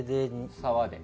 沢で？